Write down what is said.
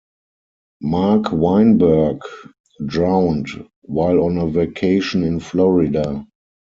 Mark Wainberg drowned while on a vacation in Florida.